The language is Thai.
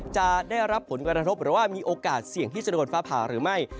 จะได้รับผลกระทบหรือว่ามีโอกาสเสี่ยงที่จะโดนฟ้าผ่าหรือไม่